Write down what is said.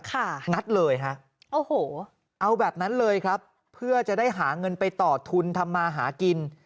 ค่ะเอาแบบนั้นเลยครับเพื่อจะได้หาเงินไปตอบทุนทำมาหากิน